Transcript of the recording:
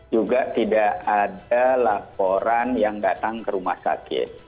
juga tidak ada laporan yang datang ke rumah sakit